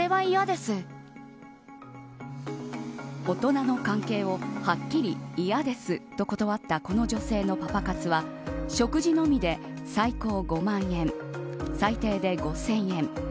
大人の関係のはっきり嫌ですと断ったこの女性のパパ活は食事のみで最高５万円最低で５０００円。